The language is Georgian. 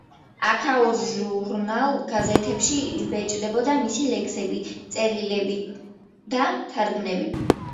აქაურ ჟურნალ-გაზეთებში იბეჭდებოდა მისი ლექსები, წერილები და თარგმანები.